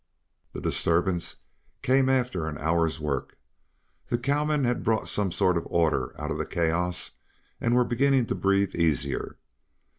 The disturbance came after an hour's work. The cowmen had brought some sort of order out of the chaos and were beginning to breathe easier.